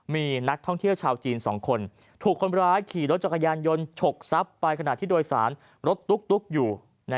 มีนักท่องเที่ยวชาวจีน๒คนถูกคนร้ายขี่รถจักรยานยนต์ฉกทรัพย์ไปขณะที่โดยสารรถตุ๊กอยู่